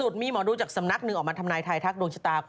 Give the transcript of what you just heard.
โอลี่คัมรี่ยากที่ใครจะตามทันโอลี่คัมรี่ยากที่ใครจะตามทัน